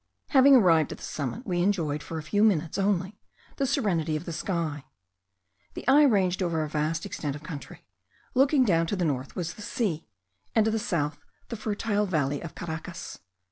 Having arrived at the summit, we enjoyed, for a few minutes only, the serenity of the sky. The eye ranged over a vast extent of country: looking down to the north was the sea, and to the south, the fertile valley of Caracas.